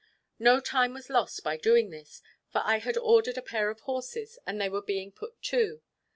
No time was lost by doing this, for I had ordered a pair of horses, and they were being put to.